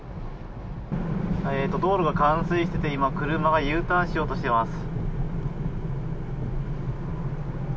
道路が冠水していて今、車がＵターンしようとしています。